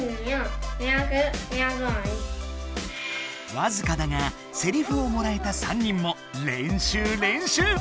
わずかだがセリフをもらえたさんにんも練習練習！